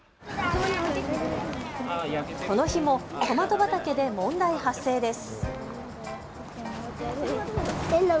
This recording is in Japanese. この日もトマト畑で問題発生です。